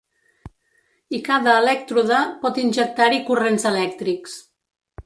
I cada elèctrode pot injectar-hi corrents elèctrics.